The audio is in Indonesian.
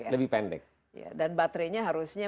lebih pendek dan baterainya harusnya